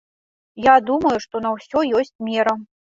Я думаю, што на ўсё ёсць мера.